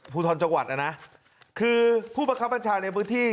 ภูทรจังหวัดนะคือผู้ประครับมาเชิญในพื้นที่